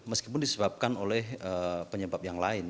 meskipun disebabkan oleh penyebab yang lain